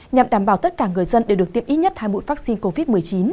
nhằm đảm bảo tất cả người dân đều được tiêm ít nhất hai mũi vaccine covid một mươi chín